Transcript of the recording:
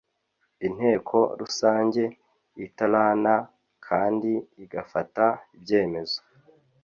Inteko rusange itrana kandi igafata ibyemezo